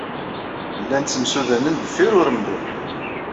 Llan ttemsudanen deffir urenbu.